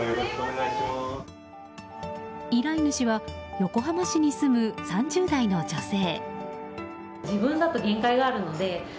依頼主は横浜市に住む３０代の女性。